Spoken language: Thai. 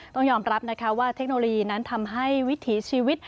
ต้องยอมรับนะคะว่าเทคโนโลยีนั้นทำให้วิถีชีวิต